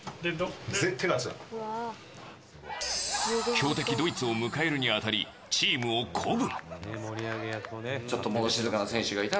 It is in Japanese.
強敵ドイツを迎えるに当たりチームを鼓舞。